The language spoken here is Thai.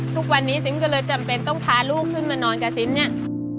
ทุกวันนี้ซิมก็เลยจำเป็นต้องพาลูกขึ้นมานอนกับซิมเนี่ย